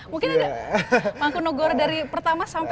mungkin ada mangku negoro dari pertama sampai ke sembilan ini satu saja